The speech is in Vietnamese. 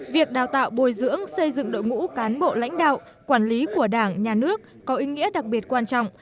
việc đào tạo bồi dưỡng xây dựng đội ngũ cán bộ lãnh đạo quản lý của đảng nhà nước có ý nghĩa đặc biệt quan trọng